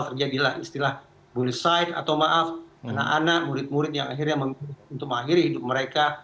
terjadilah istilah bullieside atau maaf anak anak murid murid yang akhirnya menghitung akhir hidup mereka